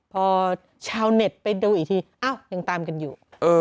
พอชาวเน็ตไปดูอีกทีอ้าวยังตามกันอยู่